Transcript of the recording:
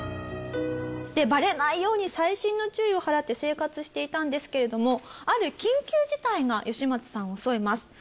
バレないように細心の注意を払って生活していたんですけれどもある緊急事態がヨシマツさんを襲います。